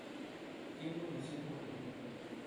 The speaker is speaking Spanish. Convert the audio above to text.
Kendo nació en Puerto Rico.